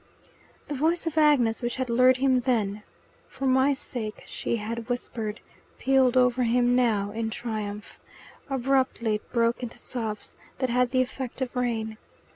The voice of Agnes, which had lured him then ("For my sake," she had whispered), pealed over him now in triumph. Abruptly it broke into sobs that had the effect of rain.